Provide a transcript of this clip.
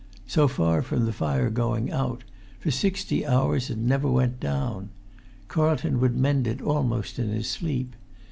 So far from the fire going out, for sixty hours it never went down. Carlton would mend it almost in his sleep.